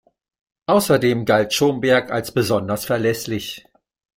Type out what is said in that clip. Außerdem galt Schomberg als besonders verlässlich.